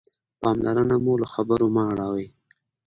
پاملرنه مو له خبرو مه اړوئ.